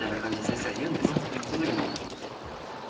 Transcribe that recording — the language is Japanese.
その時も。